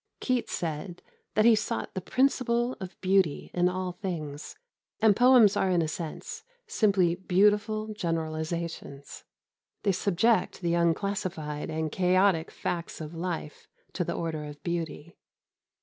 Keats said that he sought the principle of beauty in all things, and poems are in a sense simply beautiful generalisations. They subject the unclassified and chaotic facts of life to the order of beauty.